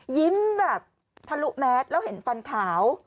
ยิ้มแบบทะลุแมสแล้วเห็นฟันขาว